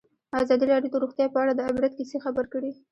ازادي راډیو د روغتیا په اړه د عبرت کیسې خبر کړي.